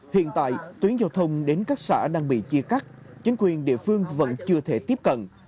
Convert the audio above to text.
hiện tại tuyến giao thông đến các xã đang bị chia cắt chính quyền địa phương vẫn chưa thể tiếp cận